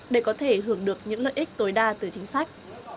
để có thể hưởng được những lợi ích tối đa từ chính sách